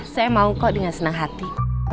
saya mau kok dengan senang hati